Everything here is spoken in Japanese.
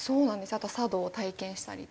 あと茶道を体験したりとか。